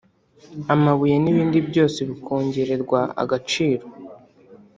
amabuye n’ibindi byose bikongererwa agaciro